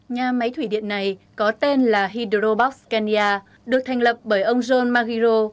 nhà máy thủy điện này có tên là hydrobox kenya được thành lập bởi ông john magiro